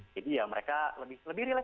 jadi ya mereka lebih relax